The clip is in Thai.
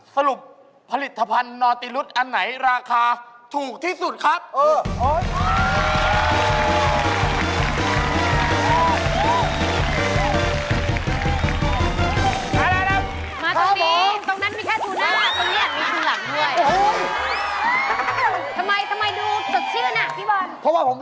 สรุปผลิตภัณฑ์นอติรุธอันไหนราคาถูกที่สุดครับ